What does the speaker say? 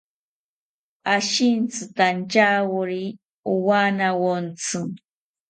Ashintzitantyawori owanawontzi